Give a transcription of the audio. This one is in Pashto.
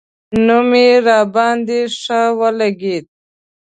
نوم یې راباندې ښه ولګېد.